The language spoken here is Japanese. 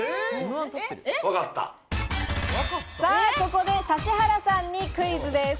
ここで指原さんにクイズです。